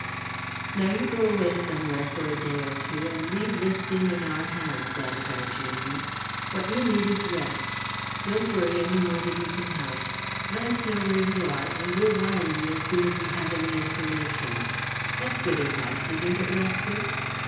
"Now you go away somewhere for a day or two, and leave this thing in our hands," added our junior. "What you need is rest. Don't worry any more than you can help. Let us know where you are, and we'll wire you as soon as we have any information. That's good advice, isn't it, Lester?"